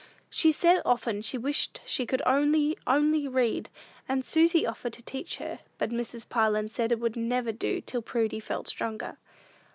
She said, often, she wished she could "only, only read;" and Susy offered to teach her, but Mrs. Parlin said it would never do till Prudy felt stronger.